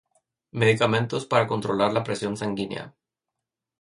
Medicamentos para controlar la presión sanguínea.